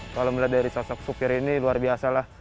alhamdulillah dari sosok sopir ini luar biasa